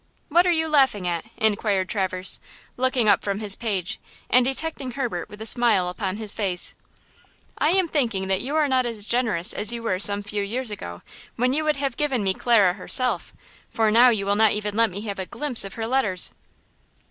"What are you laughing at?" inquired Traverse, looking up from his page, and detecting Herbert with a smile upon his face. "I am thinking that you are not as generous as you were some few years since, when you would have given me Clara herself; for now you will not even let me have a glimpse of her letters!"